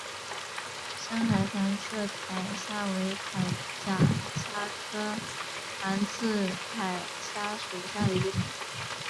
深海仿刺铠虾为铠甲虾科仿刺铠虾属下的一个种。